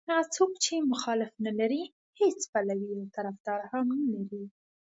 هغه څوک چې مخالف نه لري هېڅ پلوی او طرفدار هم نه لري.